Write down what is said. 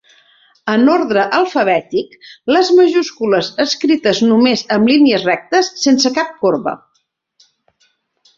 En ordre alfabètic, les majúscules escrites només amb línies rectes, sense cap corba.